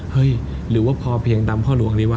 เฮ้ยหรือว่าพอเพียงตามพ่อหลวงดีวะ